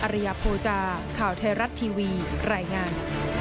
ริยโภจาข่าวไทยรัฐทีวีรายงาน